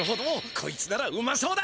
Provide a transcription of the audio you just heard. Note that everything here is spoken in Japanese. こいつならうまそうだ！